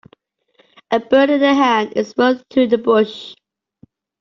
A bird in the hand is worth two in the bush.